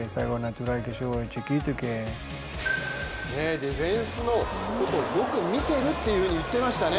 ディフェンスのことをよく見ているって言ってましたね。